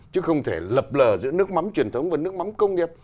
chứ không thể lập lờ giữa nước mắm truyền thống và nước mắm công nghiệp